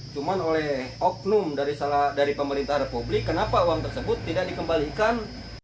cuman oleh oknum dari pemerintah republik kenapa uang tersebut tidak dikembalikan